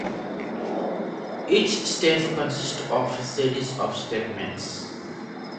Each step consists of a series of statements.